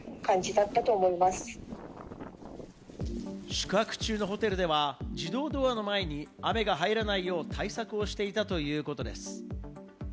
宿泊中のホテルでは、自動ドアの前に雨が入らないよう対策をしていたということです。